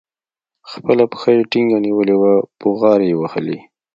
خپله پښه يې ټينګه نيولې وه بوغارې يې وهلې.